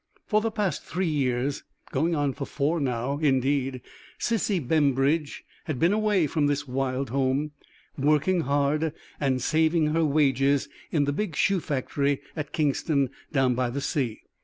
For the past three years going on for four now, indeed Sissy Bembridge had been away from this wild home, working hard, and saving her wages, in the big shoe factory at K , down by the sea.